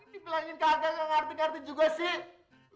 ini bilangin kagak nggak ngerti ngerti juga sih